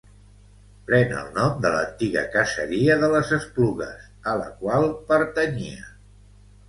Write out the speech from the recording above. Pren el nom de l'antiga caseria de les Esplugues, a la qual pertanyia.